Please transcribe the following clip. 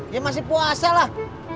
dia masih puasa lah